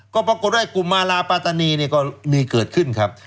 ก็ปรากฏว่ากลุ่มมาลาปาตานีเนี่ยก็มีเกิดขึ้นครับ